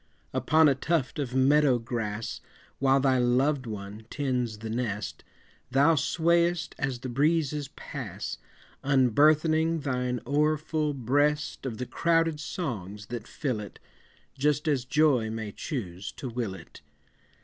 Upon a tuft of meadow grass, While thy loved one tends the nest, Thou swayest as the breezes pass, Unburthening thine o'erfull breast Of the crowded songs that fill it, Just as joy may choose to will it.